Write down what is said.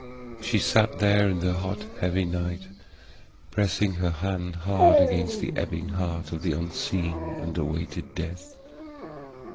She sat there in the hot heavy night, pressing her hand hard against the ebbing heart of the unseen, and awaited Death.